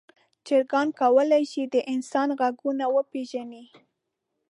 چرګان کولی شي د انسان غږونه وپیژني.